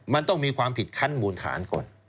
มันต้องมีความผิดขั้นมูลฐานก่อน